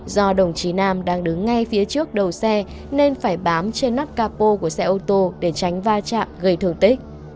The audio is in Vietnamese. do đồng chí nam đang đứng ngay phía trước đầu xe nên phải bám trên nắp capo của xe ô tô để tránh va chạm gây thương tích